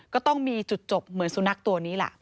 ก็ต้องมีจุดจบเหมือนสุนัขตัวนี้ล่ะ